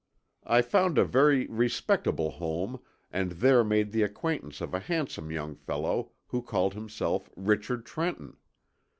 I found a very respectable home and there made the acquaintance of a handsome young fellow who called himself Richard Trenton.